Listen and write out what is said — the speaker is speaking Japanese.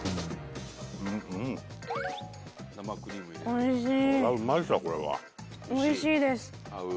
おいしい。